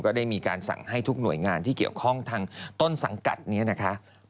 ได้มีการสั่งให้ทุกหน่วยงานที่เกี่ยวข้องทางต้นสังกัดนี้นะคะ